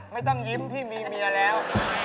ไม่ต้องยิ้มพี่มีเมียแล้ว